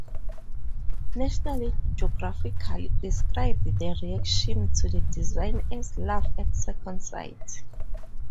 "National Geographic" described the reaction to the design as "love at second sight.